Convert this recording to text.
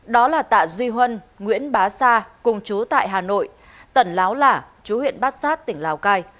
đó là tạ duy huân nguyễn bá sa cùng chú tại hà nội tẩn láo lả chú huyện bát sát tỉnh lào cai